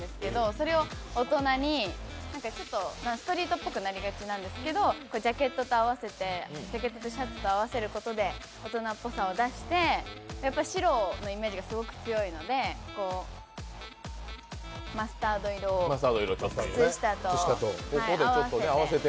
それを大人に、ちょっとストリートっぽくなりがちなんですけどジャケットとシャツと合わせることで大人っぽさを出して白のイメージがすごく強いので、マスタード色を靴下と合わせて。